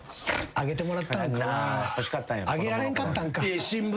揚げられんかったんか。